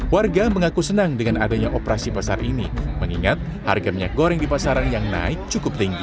warga mengaku senang dengan adanya operasi pasar ini mengingat harga minyak goreng di pasaran yang naik cukup tinggi